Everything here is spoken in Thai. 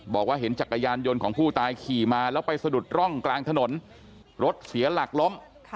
บอกว่าเห็นจักรยานยนต์ของผู้ตายขี่มาแล้วไปสะดุดร่องกลางถนนรถเสียหลักล้ม